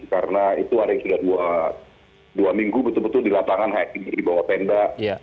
karena itu ada yang sudah dua minggu betul betul di lapangan di bawah tenda